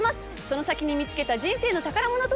その先に見つけた人生の宝物とは？